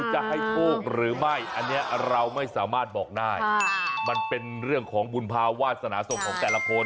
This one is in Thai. จริงกะป่าวนะอันนี้เราไม่สามารถบอกได้มันเป็นเรื่องของบุญภาวาสนาส่งของแต่ละคน